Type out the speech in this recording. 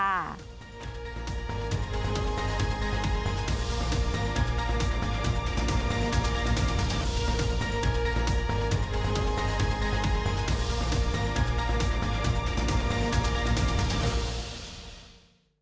สวัสดีค่ะ